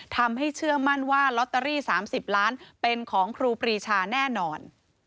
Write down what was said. ทำให้เชื่อมั่นว่าลอตเตอรี่๓๐ล้านเป็นของครูปรีชาแน่นอน